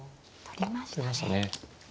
取りましたね。